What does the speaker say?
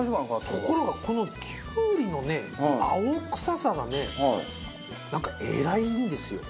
ところがこのきゅうりのね青臭さがねなんかえらいいいんですよ。